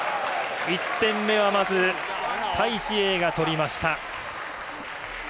１点目はまずタイ・シエイが取りました。